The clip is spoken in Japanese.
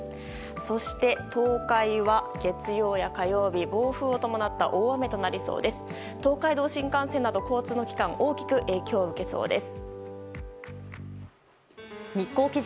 そして東海は月曜や火曜日暴風を伴った大雨になりそうで東海道新幹線など交通の機関大きく影響を受けそうです。